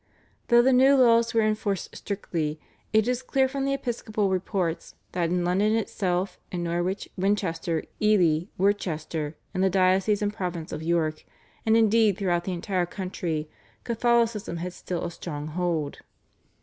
Though the new laws were enforced strictly it is clear from the episcopal reports that in London itself, in Norwich, Winchester, Ely, Worcester, in the diocese and province of York, and indeed throughout the entire country Catholicism had still a strong hold.